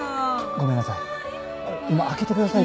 ごめんなさい。